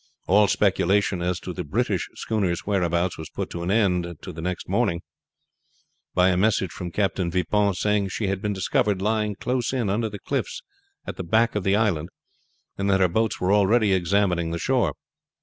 All speculation as to the British schooner's whereabouts was put an end to the next morning, by a message from Captain Vipon saying she had been discovered lying close in under the cliffs at the back of the island, and that her boats were already examining the shore.